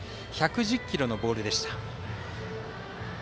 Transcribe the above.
１１０キロのボールでした。